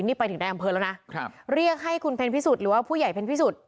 นี่ไปถึงในอำเภอแล้วนะครับเรียกให้คุณเพ็ญพิสุทธิ์หรือว่าผู้ใหญ่เพ็ญพิสุทธิ์